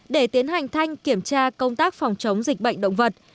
để tiến hành thanh kiểm tra công tác phòng chống dịch bệnh động vật